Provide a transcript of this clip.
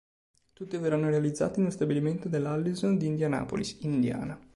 Tutti verranno realizzati nello stabilimento della Allison di Indianapolis, Indiana.